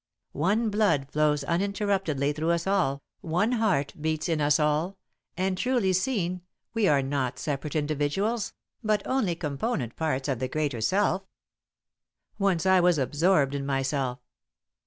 One blood flows uninterruptedly through us all, one heart beats in us all, and, truly seen, we are not separate individuals, but only component parts of the Greater Self. "Once I was absorbed in myself.